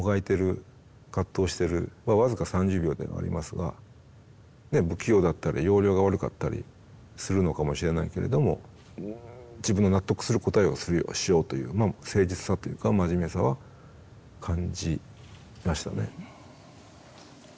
僅か３０秒ではありますが不器用だったり要領が悪かったりするのかもしれないけれども自分の納得する答えをしようという誠実さというか真面目さは感じましたね。